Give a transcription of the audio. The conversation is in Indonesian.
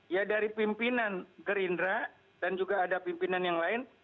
ya dari pimpinan gerindra dan juga ada pimpinan yang lain